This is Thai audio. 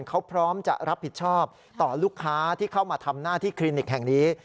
เขาพร้อมจะรับผิดชอบต่อลูกค้าที่เข้ามาทำหน้าที่คลินิกแห่งนี้